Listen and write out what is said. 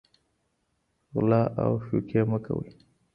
غلا او شوکې مه کوئ.